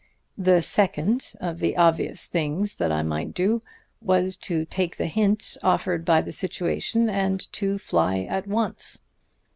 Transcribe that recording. "The second of the obvious things that I might do was to take the hint offered by the situation, and to fly at once.